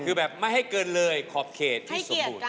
คือแบบไม่ให้เกินเลยขอบเขตที่สมบูรณ